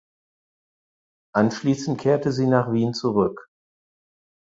Anschließend kehrte sie nach Wien zurück.